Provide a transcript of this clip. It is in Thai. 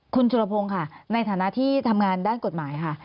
คุณจุรพงศ์ค่ะในฐานะที่ทำงานด้านกฎหมายค่ะ